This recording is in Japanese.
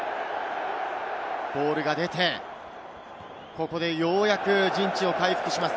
ボールが出て、ここでようやく陣地を回復します。